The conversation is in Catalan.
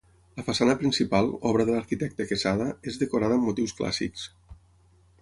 La façana principal, obra de l'arquitecte Quesada, és decorada amb motius clàssics.